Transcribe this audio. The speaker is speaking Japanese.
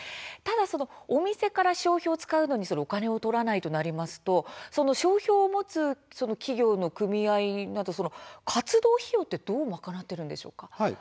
お店から商標を使うのにお金を取らないとなりますと商標を持つ企業の組合は活動費用はどう賄っているんですか。